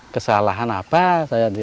kesalahan apa saya lihat dulu